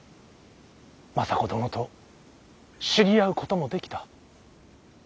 政子殿と知り合うこともできた。